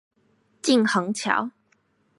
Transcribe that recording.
靳珩橋